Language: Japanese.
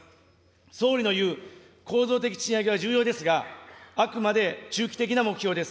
総理のいう、構造的賃上げは重要ですが、あくまで中期的な目標です。